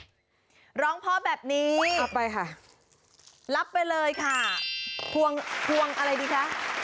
โอ๊ยร้องพ่อแบบนี้รับไปเลยค่ะพวงอะไรดีคะ